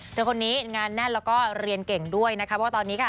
คนนี้งานแน่นแล้วก็เรียนเก่งด้วยนะคะเพราะว่าตอนนี้ค่ะ